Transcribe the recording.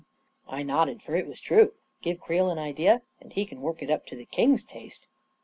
I nodded, for it was true. Give Creel an idea, and he can work it up to the king's taste.